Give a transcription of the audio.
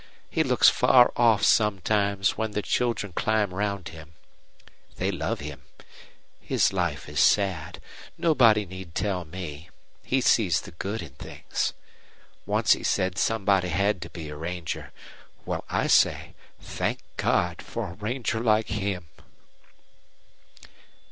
He looks far off sometimes when the children climb round him. They love him. His life is sad. Nobody need tell me he sees the good in things. Once he said somebody had to be a ranger. Well, I say, 'Thank God for a ranger like him!'"